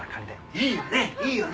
いいよね？